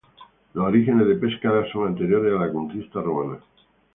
Los orígenes de Pescara son anteriores a la conquista romana.